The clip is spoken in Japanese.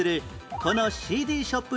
このＣＤショップ